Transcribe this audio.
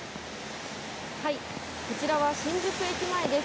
こちらは新宿駅前です。